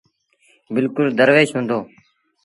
بلڪل دروش هُݩدو۔